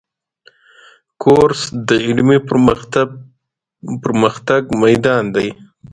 کورس د علمي پرمختګ میدان دی.